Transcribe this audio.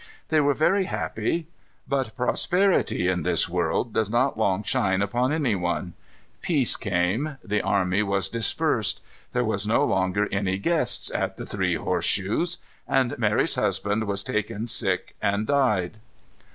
They were very happy. But prosperity, in this world, does not long shine upon any one. Peace came. The army was dispersed. There were no longer any guests at "The Three Horse Shoes;" and Mary's husband was taken sick, and died.